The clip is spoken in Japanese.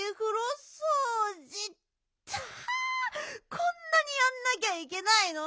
こんなにやんなきゃいけないの？